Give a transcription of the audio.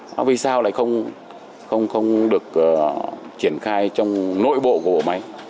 nó vì sao lại không được triển khai trong nội bộ của máy